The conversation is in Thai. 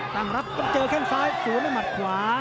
ต่างรับเจอแข่งซ้ายสูงให้หมัดขวา